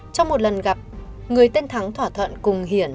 trong một lần gặp người tên thắng thỏa thuận cùng hiển